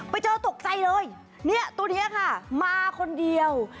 ไปเจอตกใจเลยเนี่ยตัวนี้ค่ะมาคนเดียว